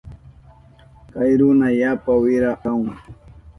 Kay runa yapa wira kahun.